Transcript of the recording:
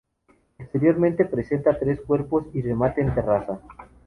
Exteriormente presenta tres cuerpos y remate en terraza.